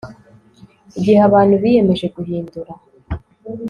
Igihe abantu biyemeje guhindura